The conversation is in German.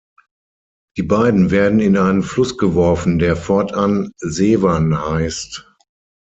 Die beiden werden in einen Fluss geworfen, der fortan Severn heißt.